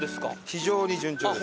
非常に順調です！